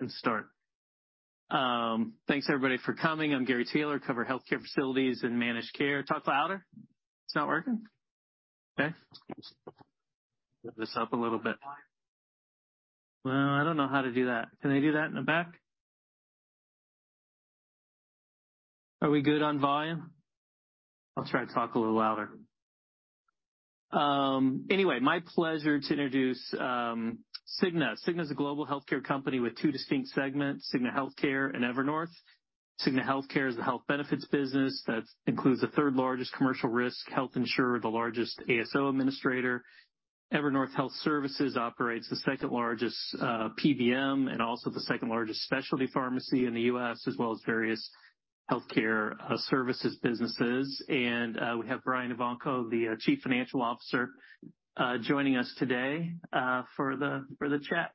Let's start. Thanks everybody for coming. I'm Gary Taylor, cover healthcare facilities and managed care. Talk louder. It's not working? Okay. Put this up a little bit. Well, I don't know how to do that. Can I do that in the back? Are we good on volume? I'll try to talk a little louder. Anyway, my pleasure to introduce Cigna. Cigna is a global healthcare company with two distinct segments, Cigna Healthcare and Evernorth. Cigna Healthcare is the health benefits business. That includes the third largest commercial risk, health insurer, the largest ASO administrator. Evernorth Health Services operates the second-largest PBM and also the second-largest specialty pharmacy in the U.S., as well as various healthcare services businesses. We have Brian Evanko, the Chief Financial Officer, joining us today for the chat.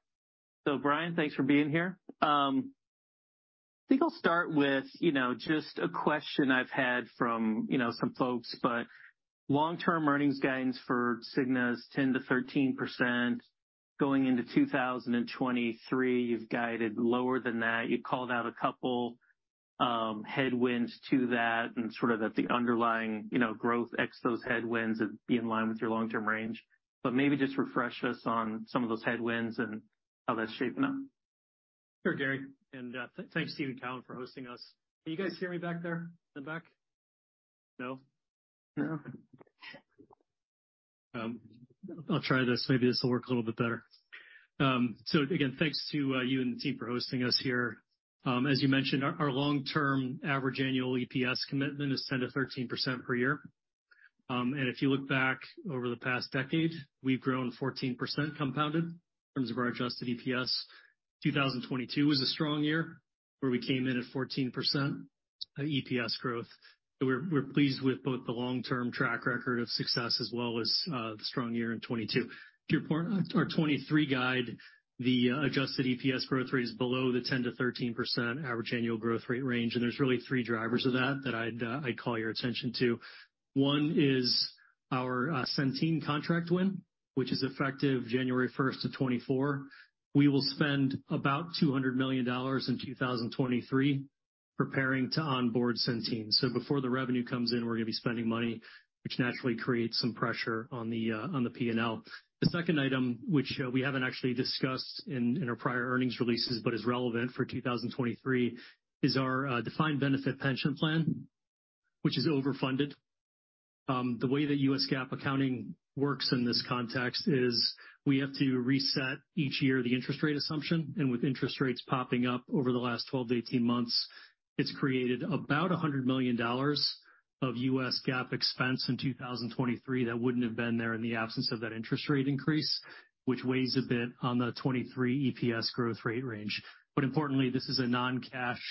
Brian, thanks for being here. I think I'll start with, you know, just a question I've had from, you know, some folks. Long-term earnings guidance for Cigna is 10%-13%. Going into 2023, you've guided lower than that. You called out a couple headwinds to that and sort of that the underlying, you know, growth ex those headwinds would be in line with your long-term range. Maybe just refresh us on some of those headwinds and how that's shaping up. Sure, Gary, thanks to you and Cowen for hosting us. Can you guys hear me back there, in the back? No? No. I'll try this. Maybe this will work a little bit better. Again, thanks to you and the team for hosting us here. As you mentioned, our long-term average annual EPS commitment is 10%-13% per year. And if you look back over the past decade, we've grown 14% compounded in terms of our adjusted EPS. 2022 was a strong year, where we came in at 14% EPS growth. We're, we're pleased with both the long-term track record of success as well as the strong year in 2022. To your point, our 2023 guide, the adjusted EPS growth rate is below the 10%-13% average annual growth rate range, and there's really three drivers of that that I'd call your attention to. One is our Centene contract win, which is effective January first of 2024. We will spend about $200 million in 2023 preparing to onboard Centene. Before the revenue comes in, we're gonna be spending money, which naturally creates some pressure on the P&L. The second item, which we haven't actually discussed in our prior earnings releases but is relevant for 2023, is our defined benefit pension plan, which is overfunded. The way that U.S. GAAP accounting works in this context is we have to reset each year the interest rate assumption, with interest rates popping up over the last 12-18 months, it's created about $100 million of U.S. GAAP expense in 2023 that wouldn't have been there in the absence of that interest rate increase, which weighs a bit on the 2023 EPS growth rate range. Importantly, this is a non-cash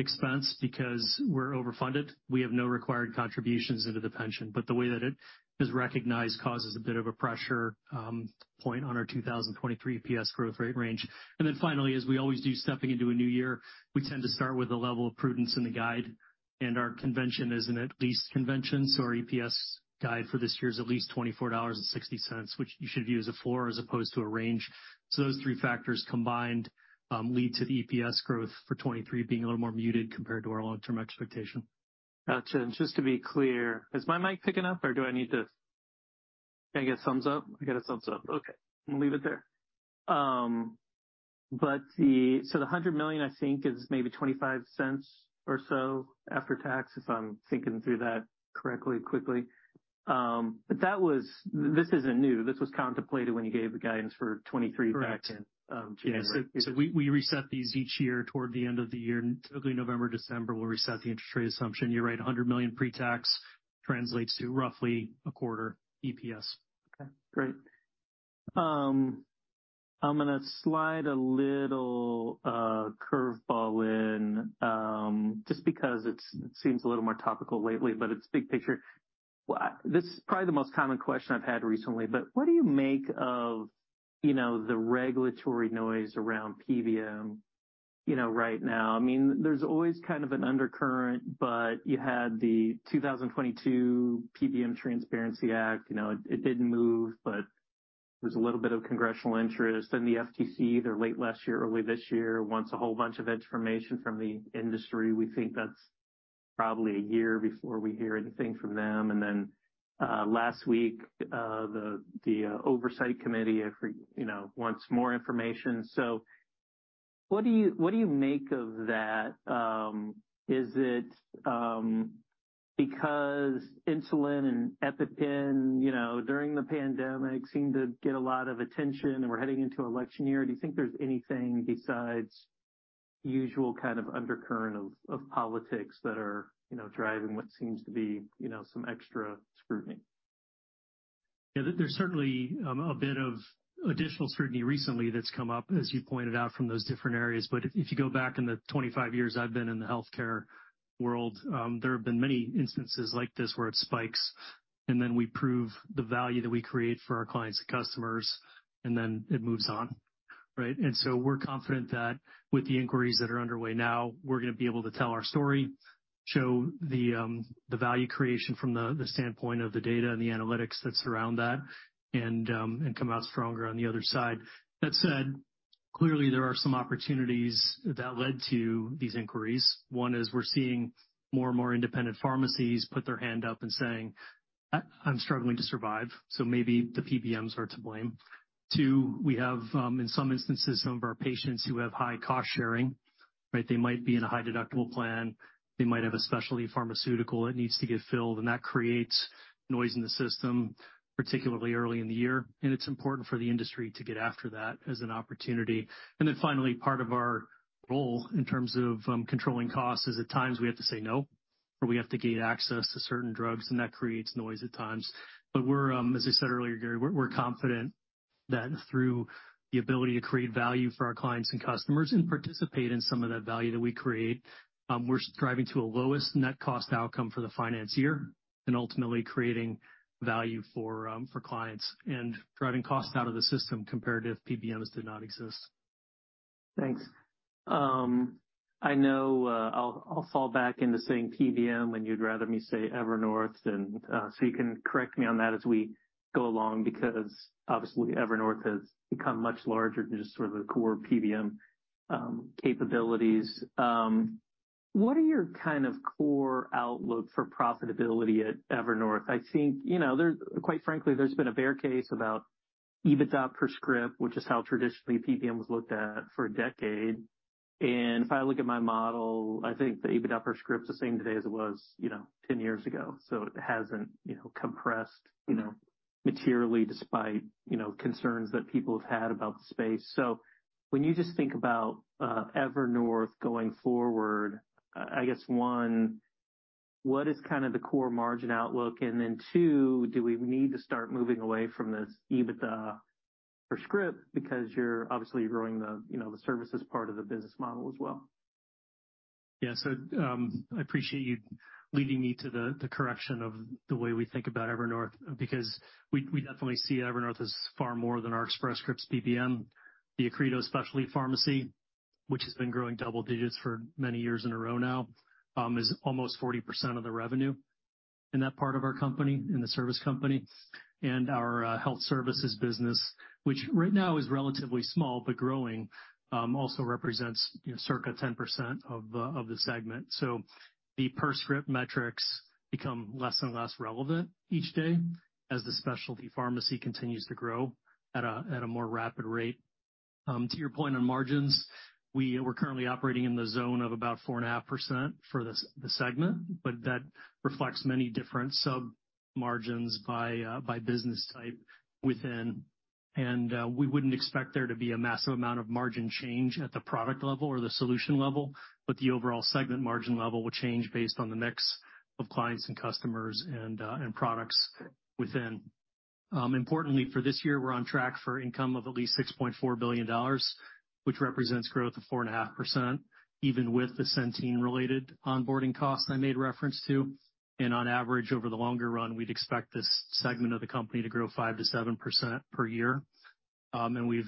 expense because we're overfunded. We have no required contributions into the pension, but the way that it is recognized causes a bit of a pressure point on our 2023 EPS growth rate range. Finally, as we always do stepping into a new year, we tend to start with a level of prudence in the guide, and our convention is an at least convention. Our EPS guide for this year is at least $24.60, which you should view as a floor as opposed to a range. Those three factors combined lead to the EPS growth for 2023 being a little more muted compared to our long-term expectation. Gotcha. Just to be clear, is my mic picking up or do I need to? Can I get thumbs up? I get a thumbs up. Okay, I'm gonna leave it there. The $100 million, I think is maybe $0.25 or so after tax, if I'm thinking through that correctly, quickly. This isn't new. This was contemplated when you gave the guidance for 2023 back in January. Correct. Yeah. We reset these each year toward the end of the year. Typically, November, December, we'll reset the interest rate assumption. You're right, $100 million pre-tax translates to roughly a quarter EPS. Okay, great. I'm gonna slide a little curveball in, just because it's, it seems a little more topical lately, but it's big picture. Well, this is probably the most common question I've had recently, but what do you make of, you know, the regulatory noise around PBM, you know, right now? I mean, there's always kind of an undercurrent, but you had the 2022 PBM Transparency Act. You know, it didn't move, but there's a little bit of congressional interest. The FTC, either late last year or early this year, wants a whole bunch of information from the industry. We think that's probably a year before we hear anything from them. Last week, the oversight committee, you know, wants more information. What do you make of that? Is it, because insulin and EpiPen, you know, during the pandemic seemed to get a lot of attention, and we're heading into election year, do you think there's anything besides usual kind of undercurrent of politics that are, you know, driving what seems to be, you know, some extra scrutiny? Yeah. There's certainly a bit of additional scrutiny recently that's come up, as you pointed out, from those different areas. If, if you go back in the 25 years I've been in the healthcare world, there have been many instances like this where it spikes, and then we prove the value that we create for our clients and customers, and then it moves on. Right? We're confident that with the inquiries that are underway now, we're gonna be able to tell our story. Show the value creation from the standpoint of the data and the analytics that surround that, and come out stronger on the other side. That said, clearly there are some opportunities that led to these inquiries. One is we're seeing more and more independent pharmacies put their hand up and saying, "I'm struggling to survive, so maybe the PBMs are to blame." Two, we have, in some instances, some of our patients who have high cost sharing, right? They might be in a high deductible plan, they might have a specialty pharmaceutical that needs to get filled, and that creates noise in the system, particularly early in the year, and it's important for the industry to get after that as an opportunity. Finally, part of our role in terms of controlling costs is at times we have to say no, or we have to gain access to certain drugs, and that creates noise at times. We're, as I said earlier, Gary, we're confident that through the ability to create value for our clients and customers and participate in some of that value that we create, we're striving to a lowest net cost outcome for the finance year, and ultimately creating value for clients and driving costs out of the system compared to if PBMs did not exist. Thanks. I know I'll fall back into saying PBM when you'd rather me say Evernorth than. You can correct me on that as we go along, because obviously Evernorth has become much larger than just sort of the core PBM capabilities. What are your kind of core outlook for profitability at Evernorth? I think, quite frankly, there's been a bear case about EBITDA per script, which is how traditionally PBM was looked at for a decade. If I look at my model, I think the EBITDA per script is the same today as it was 10 years ago. It hasn't compressed materially despite concerns that people have had about the space. When you just think about Evernorth going forward, I guess, one, what is kind of the core margin outlook? Two, do we need to start moving away from this EBITDA per script because you're obviously growing the, you know, services part of the business model as well. Yeah. I appreciate you leading me to the correction of the way we think about Evernorth, because we definitely see Evernorth as far more than our Express Scripts PBM. The Accredo Specialty Pharmacy, which has been growing double digits for many years in a row now, is almost 40% of the revenue in that part of our company, in the service company. Our health services business, which right now is relatively small but growing, also represents, you know, circa 10% of the segment. The per script metrics become less and less relevant each day as the specialty pharmacy continues to grow at a more rapid rate. To your point on margins, we're currently operating in the zone of about 4.5% for the segment, but that reflects many different sub-margins by business type within. We wouldn't expect there to be a massive amount of margin change at the product level or the solution level, but the overall segment margin level will change based on the mix of clients and customers and products within. Importantly, for this year, we're on track for income of at least $6.4 billion, which represents growth of 4.5%, even with the Centene related onboarding costs I made reference to. On average, over the longer run, we'd expect this segment of the company to grow 5%-7% per year. We've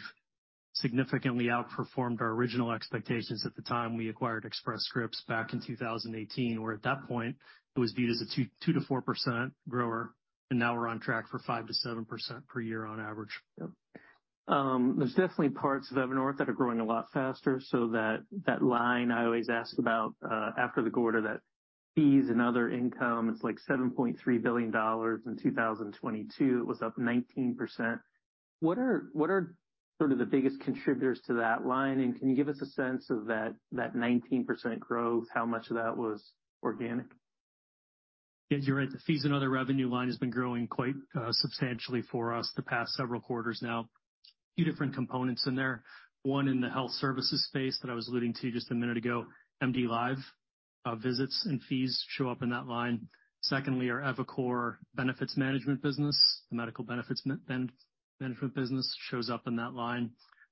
significantly outperformed our original expectations at the time we acquired Express Scripts back in 2018, where at that point it was viewed as a 2%-4% grower, and now we're on track for 5%-7% per year on average. There's definitely parts of Evernorth that are growing a lot faster, so that line I always ask about after the quarter, that fees and other income, it's like $7.3 billion in 2022, it was up 19%. What are sort of the biggest contributors to that line? Can you give us a sense of that 19% growth, how much of that was organic? Yes, you're right. The fees and other revenue line has been growing quite substantially for us the past several quarters now. A few different components in there. One, in the health services space that I was alluding to just a minute ago, MDLIVE visits and fees show up in that line. Secondly, our eviCore Benefits Management business, the medical benefits management business shows up in that line.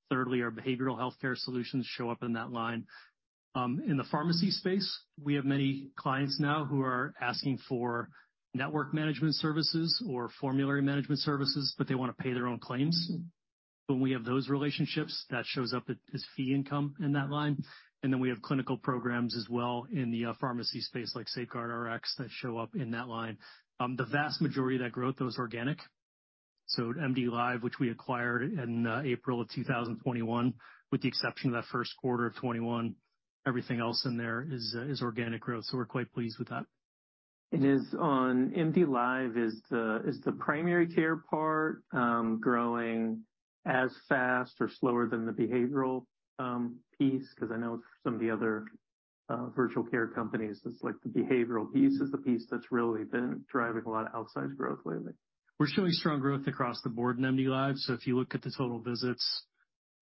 Thirdly, our behavioral healthcare solutions show up in that line. In the pharmacy space, we have many clients now who are asking for network management services or formulary management services, they wanna pay their own claims. When we have those relationships, that shows up as fee income in that line. Then we have clinical programs as well in the pharmacy space like SafeGuardRx that show up in that line. The vast majority of that growth, though, is organic. MDLIVE, which we acquired in April of 2021, with the exception of that first quarter of 2021, everything else in there is organic growth, we're quite pleased with that. Is on MDLIVE, is the primary care part, growing as fast or slower than the behavioral piece? 'Cause I know some of the other virtual care companies, it's like the behavioral piece is the piece that's really been driving a lot of outsized growth lately. We're showing strong growth across the board in MDLIVE. If you look at the total visits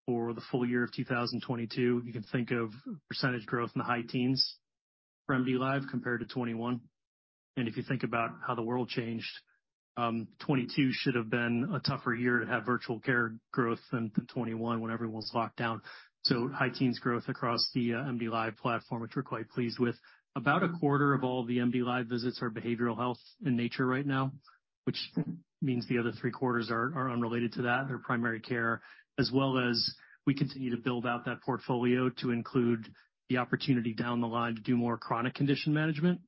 for the full year of 2022, you can think of percentage growth in the high teens for MDLIVE compared to 2021. If you think about how the world changed, 2022 should have been a tougher year to have virtual care growth than 2021 when everyone's locked down. High teens growth across the MDLIVE platform, which we're quite pleased with. About a quarter of all the MDLIVE visits are behavioral health in nature right now, which means the other three-quarters are unrelated to that. They're primary care, as well as we continue to build out that portfolio to include the opportunity down the line to do more chronic condition management,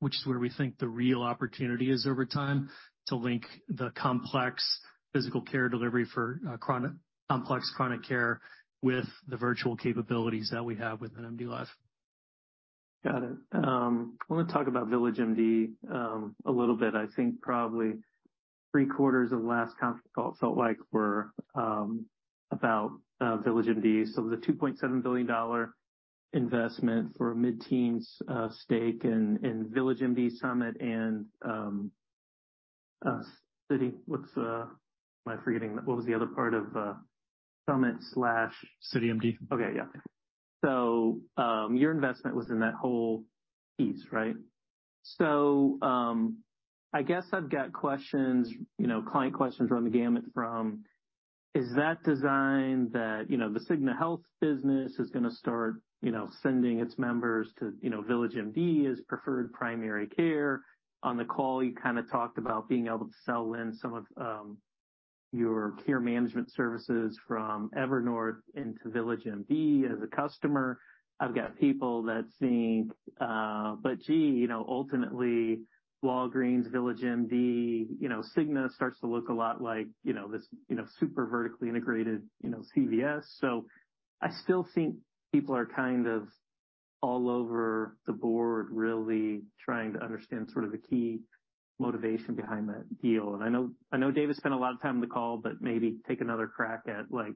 which is where we think the real opportunity is over time to link the complex physical care delivery for complex chronic care with the virtual capabilities that we have within MDLIVE. Got it. I wanna talk about VillageMD a little bit. I think probably three-quarters of the last conf call felt like were about VillageMD. The $2.7 billion investment for mid-teens stake in VillageMD, Summit and City. What's Am I forgetting? What was the other part of Summit slash-? CityMD. Okay, yeah. Your investment was in that whole piece, right? I guess I've got questions, you know, client questions run the gamut from, is that designed that, you know, the Cigna Healthcare business is gonna start, you know, sending its members to, you know, VillageMD as preferred primary care. On the call, you kinda talked about being able to sell in some of your care management services from Evernorth into VillageMD as a customer. I've got people that think, but gee, you know, ultimately Walgreens, VillageMD, you know, Cigna starts to look a lot like, you know, this, you know, super vertically integrated, you know, CVS. I still think people are kind of all over the board really trying to understand sort of the key motivation behind that deal. I know Dave has spent a lot of time on the call, but maybe take another crack at, like,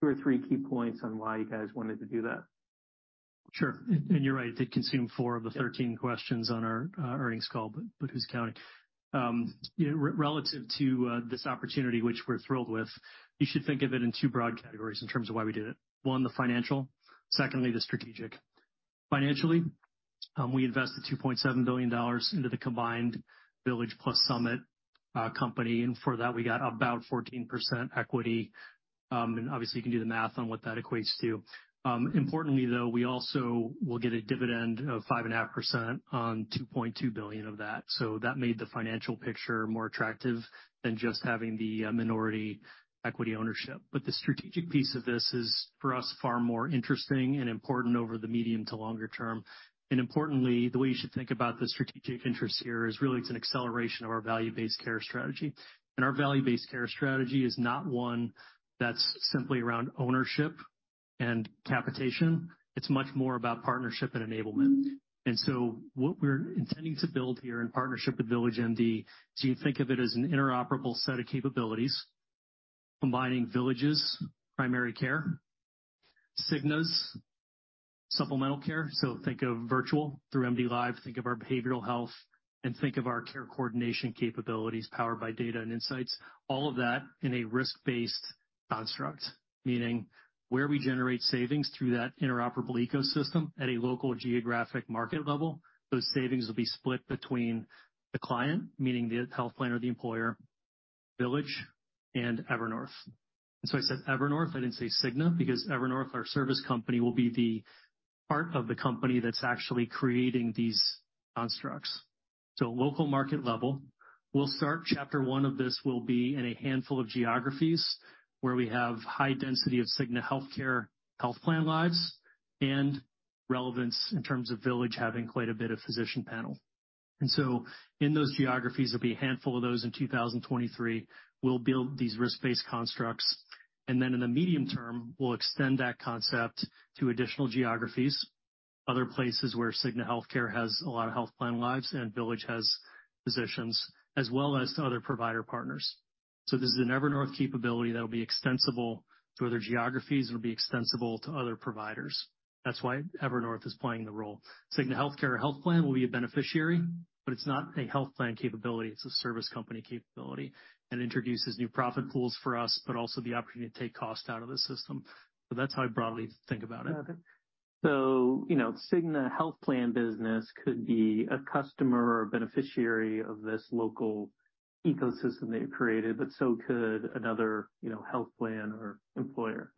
two or three key points on why you guys wanted to do that. Sure. You're right. It did consume four of the 13 questions on our earnings call, who's counting? Relative to this opportunity, which we're thrilled with, you should think of it in two broad categories in terms of why we did it. One, the financial, secondly, the strategic. Financially, we invested $2.7 billion into the combined Village plus Summit company, and for that, we got about 14% equity. Obviously you can do the math on what that equates to. Importantly, though, we also will get a dividend of 5.5% on $2.2 billion of that. That made the financial picture more attractive than just having the minority equity ownership. The strategic piece of this is, for us, far more interesting and important over the medium to longer term. Importantly, the way you should think about the strategic interest here is really, it's an acceleration of our value-based care strategy. Our value-based care strategy is not one that's simply around ownership and capitation. It's much more about partnership and enablement. What we're intending to build here in partnership with VillageMD, so you think of it as an interoperable set of capabilities, combining Village's primary care, Cigna's supplemental care. Think of virtual through MDLIVE, think of our behavioral health, and think of our care coordination capabilities powered by data and insights, all of that in a risk-based construct, meaning where we generate savings through that interoperable ecosystem at a local geographic market level, those savings will be split between the client, meaning the health plan or the employer, Village, and Evernorth. I said Evernorth, I didn't say Cigna, because Evernorth, our service company, will be the part of the company that's actually creating these constructs. Local market level, we'll start chapter one of this will be in a handful of geographies where we have high density of Cigna Healthcare health plan lives and relevance in terms of Village having quite a bit of physician panel. In those geographies, there'll be a handful of those in 2023, we'll build these risk-based constructs. In the medium term, we'll extend that concept to additional geographies, other places where Cigna Healthcare has a lot of health plan lives and Village has physicians, as well as to other provider partners. This is an Evernorth capability that will be extensible to other geographies, and it'll be extensible to other providers. That's why Evernorth is playing the role. Cigna Healthcare health plan will be a beneficiary, but it's not a health plan capability, it's a service company capability, and introduces new profit pools for us, but also the opportunity to take cost out of the system. That's how I broadly think about it. Got it. You know, Cigna health plan business could be a customer or beneficiary of this local ecosystem that you've created, but so could another, you know, health plan or employer. Is that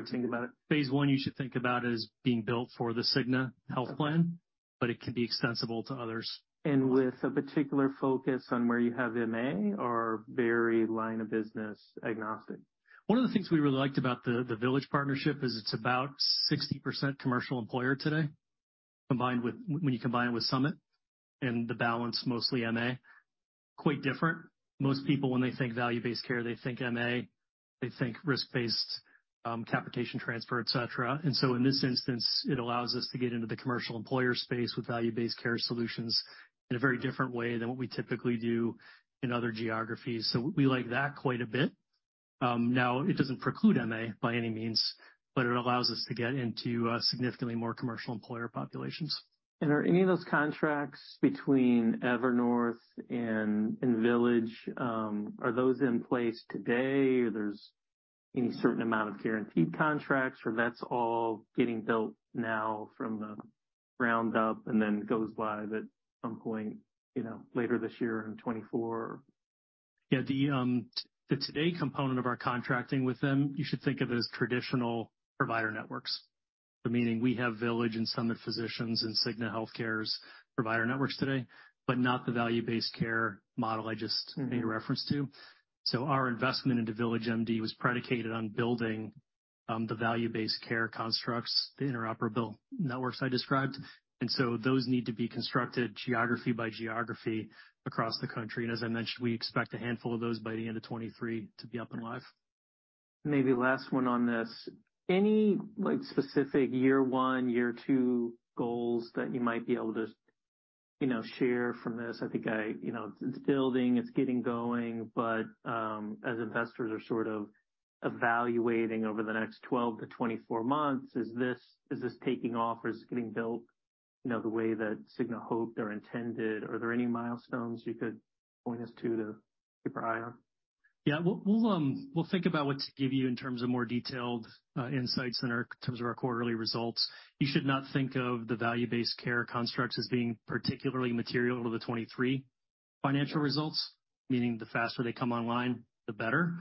the right way to think about it? Correct. Phase I you should think about as being built for the Cigna Health Plan, but it can be extensible to others. With a particular focus on where you have MA or very line of business agnostic? One of the things we really liked about the VillageMD partnership is it's about 60% commercial employer today, when you combine it with Summit Health and the balance mostly MA, quite different. Most people, when they think value-based care, they think MA, they think risk-based, capitation transfer, et cetera. In this instance, it allows us to get into the commercial employer space with value-based care solutions in a very different way than what we typically do in other geographies. We like that quite a bit. Now it doesn't preclude MA by any means, but it allows us to get into significantly more commercial employer populations. Are any of those contracts between Evernorth and Village, are those in place today? There's any certain amount of guaranteed contracts, or that's all getting built now from the ground up and then goes live at some point, you know, later this year in 2024? Yeah. The today component of our contracting with them, you should think of it as traditional provider networks. Meaning we have Village and Summit physicians and Cigna Healthcare's provider networks today, but not the value-based care model I just made a reference to. Our investment into VillageMD was predicated on building the value-based care constructs, the interoperable networks I described, those need to be constructed geography by geography across the country. As I mentioned, we expect a handful of those by the end of 2023 to be up and live. Maybe last one on this. Any, like, specific year one, year two goals that you might be able to, you know, share from this? I think you know, it's building, it's getting going. As investors are sort of evaluating over the next 12-24 months, is this taking off or is this getting built, you know, the way that Cigna hoped or intended? Are there any milestones you could point us to keep our eye on? We'll think about what to give you in terms of more detailed insights in terms of our quarterly results. You should not think of the value-based care constructs as being particularly material to the 2023 financial results, meaning the faster they come online, the better,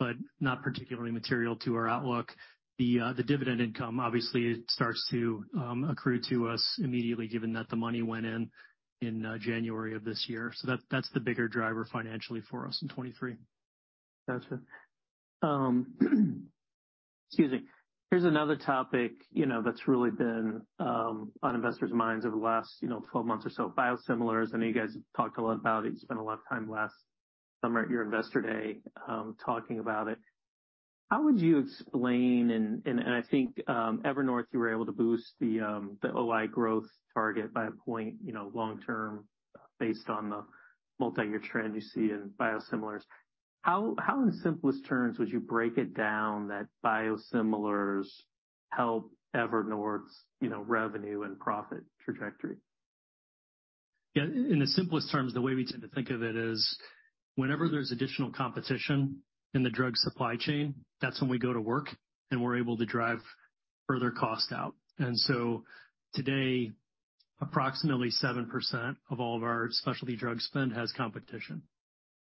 but not particularly material to our outlook. The dividend income, obviously it starts to accrue to us immediately, given that the money went in January of this year. That, that's the bigger driver financially for us in 2023. Gotcha. Excuse me. Here's another topic, you know, that's really been on investors' minds over the last, you know, 12 months or so, biosimilars. I know you guys have talked a lot about it. You spent a lot of time last summer at your investor day talking about it. How would you explain, and I think Evernorth, you were able to boost the OI growth target by a point, you know, long term based on the multi-year trend you see in biosimilars. How in simplest terms would you break it down that biosimilars help Evernorth's, you know, revenue and profit trajectory? Yeah. In the simplest terms, the way we tend to think of it is whenever there's additional competition in the drug supply chain, that's when we go to work, and we're able to drive further cost out. Today, approximately 7% of all of our specialty drug spend has competition,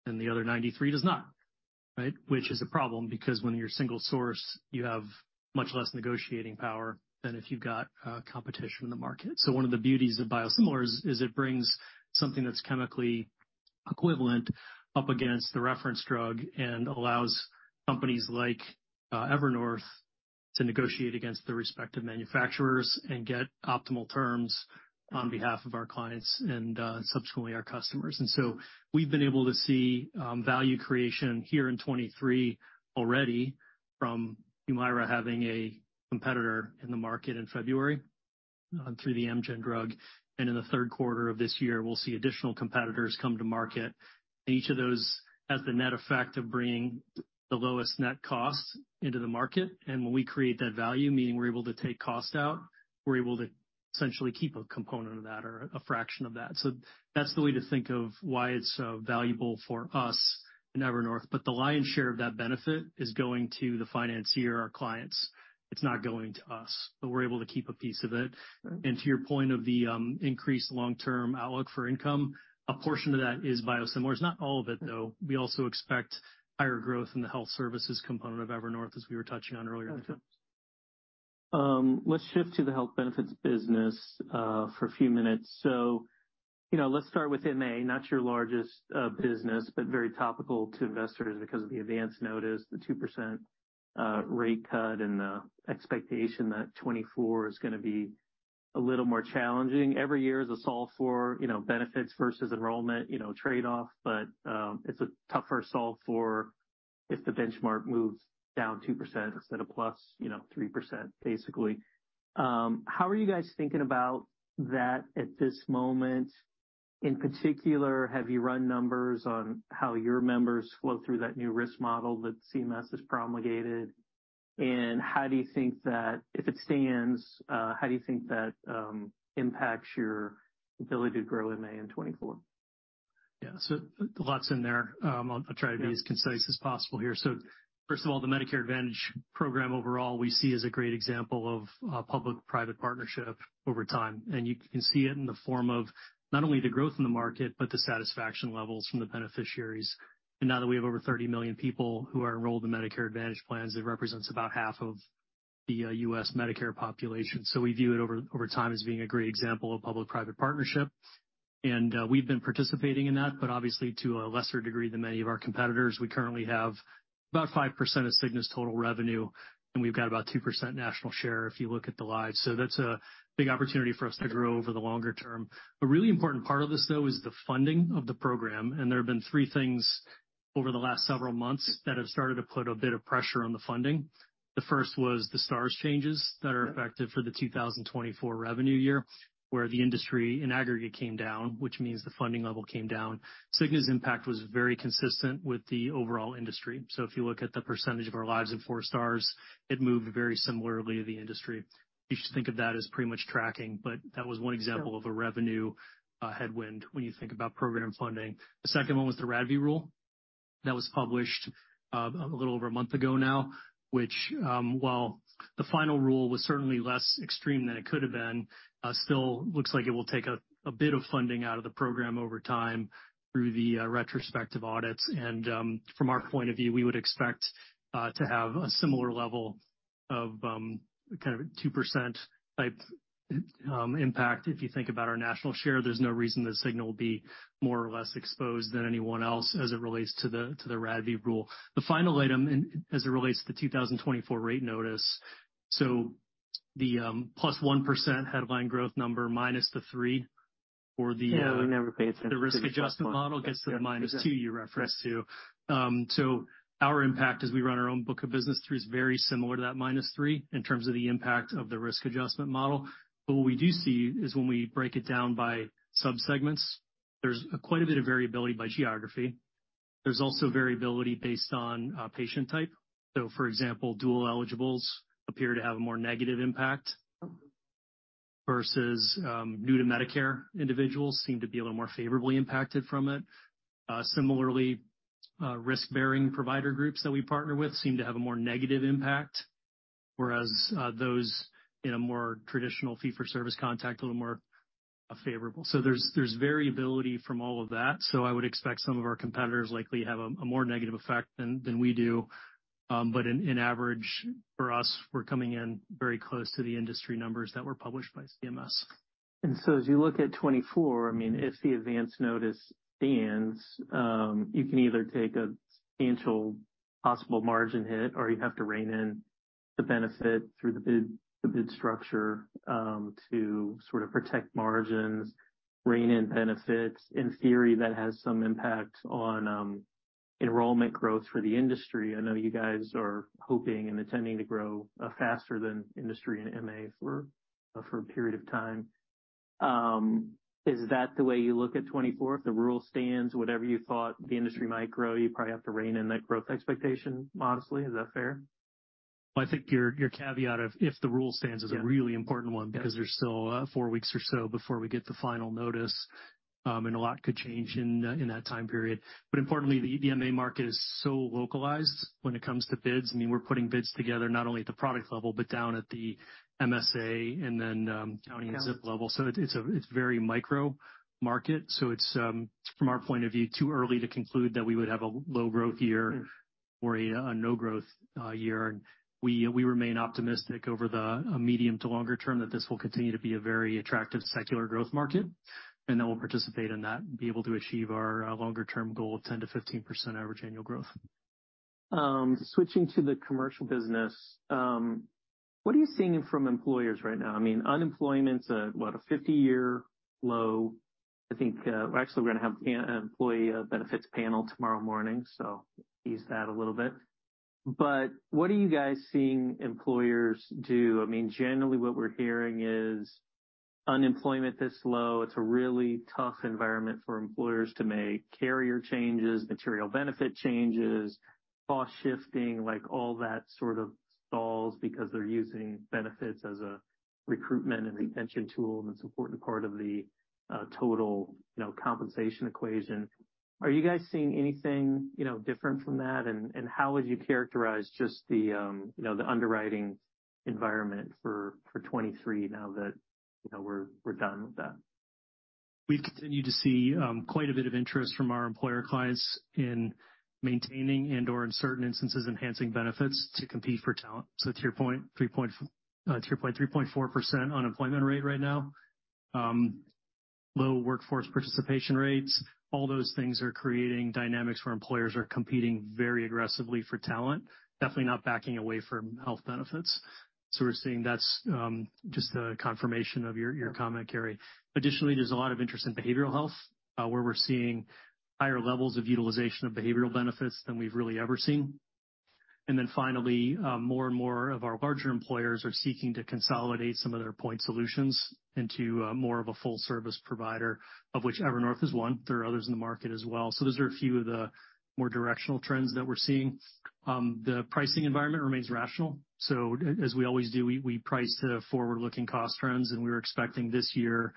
and the other 93 does not, right? Which is a problem, because when you're single source, you have much less negotiating power than if you've got competition in the market. One of the beauties of biosimilars is it brings something that's chemically equivalent up against the reference drug and allows companies like Evernorth to negotiate against the respective manufacturers and get optimal terms on behalf of our clients and subsequently our customers. We've been able to see value creation here in 2023 already from Humira having a competitor in the market in February through the Amgen drug. In the 3rd quarter of this year, we'll see additional competitors come to market. Each of those has the net effect of bringing the lowest net cost into the market. When we create that value, meaning we're able to take cost out, we're able to essentially keep a component of that or a fraction of that. That's the way to think of why it's so valuable for us in Evernorth. The lion's share of that benefit is going to the financier, our clients. It's not going to us, but we're able to keep a piece of it. To your point of the increased long-term outlook for income, a portion of that is biosimilars. Not all of it, though. We also expect higher growth in the health services component of Evernorth, as we were touching on earlier. Let's shift to the health benefits business for a few minutes. You know, let's start with MA. Not your largest business, but very topical to investors because of the advance notice, the 2% rate cut and the expectation that 2024 is gonna be a little more challenging. Every year is a solve for, you know, benefits versus enrollment, you know, trade-off, but it's a tougher solve for if the benchmark moves down 2% instead of +3%, basically. How are you guys thinking about that at this moment? In particular, have you run numbers on how your members flow through that new risk model that CMS has promulgated? How do you think that, if it stands, how do you think that impacts your ability to grow MA in 2024? Yeah. Lots in there. I'll try to be as concise as possible here. First of all, the Medicare Advantage program overall, we see as a great example of a public-private partnership over time. You can see it in the form of not only the growth in the market, but the satisfaction levels from the beneficiaries. Now that we have over 30 million people who are enrolled in Medicare Advantage plans, it represents about half of the U.S. Medicare population. We view it over time as being a great example of public-private partnership. We've been participating in that, but obviously to a lesser degree than many of our competitors. We currently have about 5% of Cigna's total revenue, and we've got about 2% national share if you look at the lives. That's a big opportunity for us to grow over the longer term. A really important part of this, though, is the funding of the program, and there have been three things over the last several months that have started to put a bit of pressure on the funding. The first was the Stars changes that are effective for the 2024 revenue year, where the industry in aggregate came down, which means the funding level came down. Cigna's impact was very consistent with the overall industry. If you look at the percentage of our lives in four stars, it moved very similarly to the industry. You should think of that as pretty much tracking, but that was one example of a revenue headwind when you think about program funding. The second one was the RADV rule that was published, a little over a month ago now, which, while the final rule was certainly less extreme than it could have been, still looks like it will take a bit of funding out of the program over time through the retrospective audits. From our point of view, we would expect to have a similar level of kind of a 2% type impact. If you think about our national share, there's no reason that Cigna will be more or less exposed than anyone else as it relates to the RADV rule. The final item in, as it relates to the 2024 rate notice, The +1% headline growth number minus the three for the- Yeah, we never paid attention. the risk adjustment model gets to the -2 you referenced to. Our impact as we run our own book of business through is very similar to that -3 in terms of the impact of the risk adjustment model. What we do see is when we break it down by sub-segments, there's quite a bit of variability by geography. There's also variability based on patient type. For example, dual eligibles appear to have a more negative impact versus new to Medicare individuals seem to be a little more favorably impacted from it. Similarly, risk-bearing provider groups that we partner with seem to have a more negative impact, whereas those in a more traditional fee-for-service contact, a little more favorable. There's variability from all of that. I would expect some of our competitors likely have a more negative effect than we do. In average for us, we're coming in very close to the industry numbers that were published by CMS. As you look at 2024, if the advance notice stands, you can either take a substantial possible margin hit or you have to rein in the benefit through the bid structure to sort of protect margins, rein in benefits. In theory, that has some impact on enrollment growth for the industry. I know you guys are hoping and intending to grow faster than industry in MA for a period of time. Is that the way you look at 2024? If the rule stands, whatever you thought the industry might grow, you probably have to rein in that growth expectation modestly. Is that fair? I think your caveat of if the rule stands is a really important one because there's still, four weeks or so before we get the final notice, and a lot could change in that time period. Importantly, the MA market is so localized when it comes to bids. I mean, we're putting bids together not only at the product level, but down at the MSA and then, county and zip level. It's, it's a, it's very micro market. It's, from our point of view, too early to conclude that we would have a low growth year or a no growth year. We remain optimistic over the medium to longer term that this will continue to be a very attractive secular growth market, and that we'll participate in that and be able to achieve our longer term goal of 10%-15% average annual growth. Switching to the commercial business, what are you seeing from employers right now? I mean, unemployment's at what, a 50-year low. I think, we're actually gonna have an employee benefits panel tomorrow morning, so ease that a little bit. What are you guys seeing employers do? I mean, generally what we're hearing is unemployment this low, it's a really tough environment for employers to make carrier changes, material benefit changes, cost shifting, like all that sort of stalls because they're using benefits as a recruitment and retention tool, and it's an important part of the total, you know, compensation equation. Are you guys seeing anything, you know, different from that? How would you characterize just the, you know, the underwriting environment for 2023 now that, you know, we're done with that? We continue to see quite a bit of interest from our employer clients in maintaining and/or in certain instances, enhancing benefits to compete for talent. 3.4% unemployment rate right now. Low workforce participation rates. All those things are creating dynamics where employers are competing very aggressively for talent, definitely not backing away from health benefits. We're seeing that's just a confirmation of your comment, Gary. Additionally, there's a lot of interest in behavioral health, where we're seeing higher levels of utilization of behavioral benefits than we've really ever seen. Finally, more and more of our larger employers are seeking to consolidate some of their point solutions into more of a full service provider, of which Evernorth is one. There are others in the market as well. Those are a few of the more directional trends that we're seeing. The pricing environment remains rational. As we always do, we price to forward-looking cost trends, and we're expecting this year,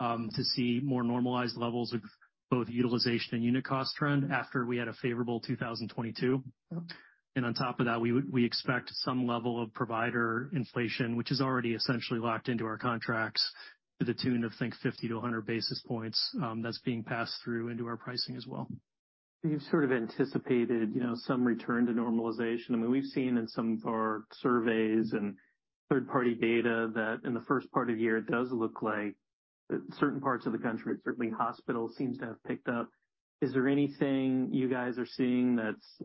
to see more normalized levels of both utilization and unit cost trend after we had a favorable 2022. On top of that, we expect some level of provider inflation, which is already essentially locked into our contracts to the tune of, I think, 50-100 basis points, that's being passed through into our pricing as well. You've sort of anticipated, you know, some return to normalization. I mean, we've seen in some of our surveys and third-party data that in the first part of the year, it does look like that certain parts of the country, certainly hospitals, seems to have picked up. Is there anything you guys are seeing that's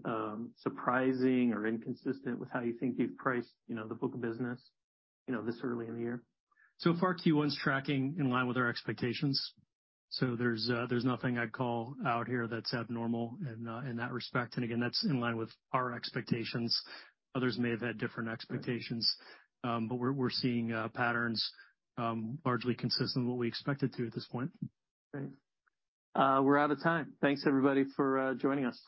surprising or inconsistent with how you think you've priced, you know, the book of business, you know, this early in the year? Far, Q1's tracking in line with our expectations. There's nothing I'd call out here that's abnormal in that respect. Again, that's in line with our expectations. Others may have had different expectations, but we're seeing patterns largely consistent with what we expected to at this point. Great. We're out of time. Thanks, everybody, for joining us.